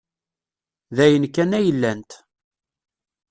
D ayen kan ay lant.